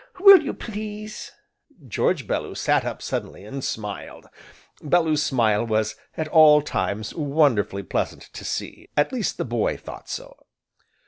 will you please?" George Bellew sat up suddenly, and smiled; Bellew's smile was, at all times, wonderfully pleasant to see, at least, the boy thought so.